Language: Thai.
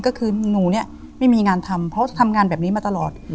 ก็คือหนูเนี่ยไม่มีงานทำเพราะทำงานแบบนี้มาตลอด